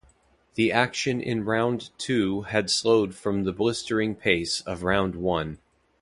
The action in round two had slowed from the blistering pace of round one.